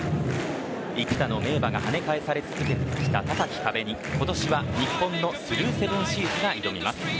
幾多のメンバーが跳ね返され続けてきた高き壁に今年は日本のスルーセブンシーズが挑みます。